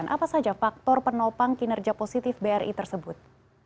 apa saja faktor penopang kinerja positif bri tersebut